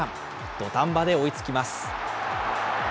土壇場で追いつきます。